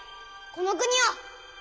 この国を。